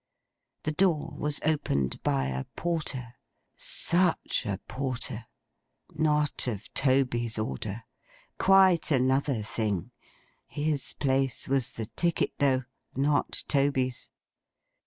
The door was opened by a Porter. Such a Porter! Not of Toby's order. Quite another thing. His place was the ticket though; not Toby's.